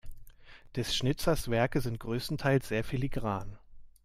Des Schnitzers Werke sind größtenteils sehr filigran.